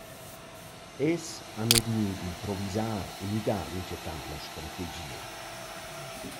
Els han eir gnü dad improvisar e müdar minchatant la strategia.